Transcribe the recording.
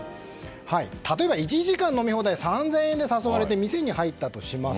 例えば１時間飲み放題３０００円で誘われて、店に入ったとします。